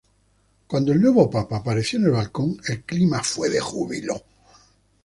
Cuando el nuevo papa apareció en el balcón, el clima fue de júbilo.